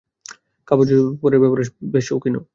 কাপড় চোপড়ের ব্যাপারে শৌখিন ও।